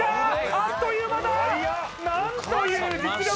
あっという間だ！